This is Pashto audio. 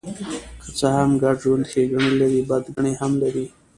که څه هم ګډ ژوند ښېګڼې لري، بدګڼې هم لري.